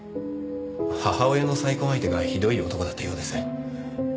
母親の再婚相手がひどい男だったようです。